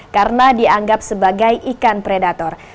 karena dianggap sebagai ikan predator